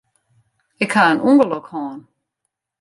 Ik ha in ûngelok hân.